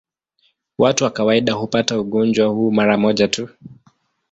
Watu kwa kawaida hupata ugonjwa huu mara moja tu.